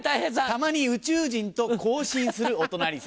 たまに宇宙人と交信するお隣さん。